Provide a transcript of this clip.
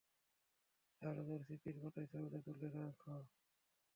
তাহলে তোর স্মৃতির পাতায় ছবিটা তুলে রাখ।